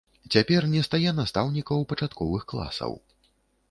Цяпер не стае настаўнікаў пачатковых класаў.